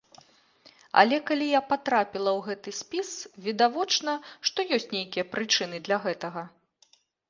Але калі я патрапіла ў гэты спіс, відавочна, што ёсць нейкія прычыны для гэтага.